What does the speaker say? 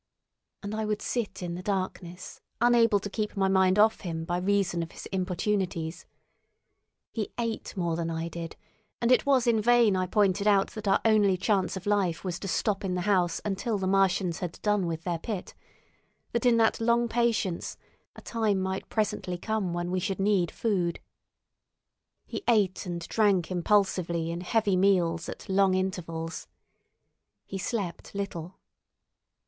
And I would sit in the darkness unable to keep my mind off him by reason of his importunities. He ate more than I did, and it was in vain I pointed out that our only chance of life was to stop in the house until the Martians had done with their pit, that in that long patience a time might presently come when we should need food. He ate and drank impulsively in heavy meals at long intervals. He slept little.